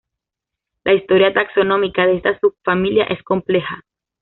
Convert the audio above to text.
La historia taxonómica de esta subfamilia es compleja.